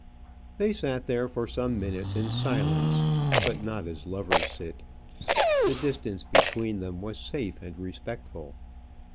They sat there for some minutes in silence, but not as lovers sit. The distance between them was safe and respectful.